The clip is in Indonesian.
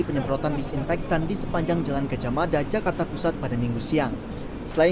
penyemprotan disinfektan di sepanjang jalan gajah mada jakarta pusat pada minggu siang selain